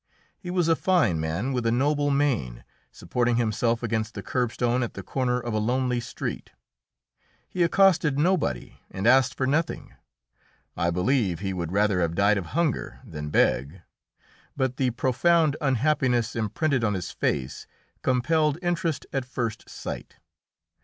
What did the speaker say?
He was a fine man with a noble mien, supporting himself against the curbstone at the corner of a lonely street; he accosted nobody and asked for nothing; I believe he would rather have died of hunger than beg, but the profound unhappiness imprinted on his face compelled interest at first sight.